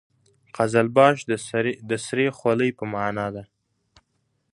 قزلباش د سرې خولۍ په معنا ده.